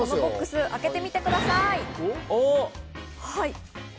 開けてください。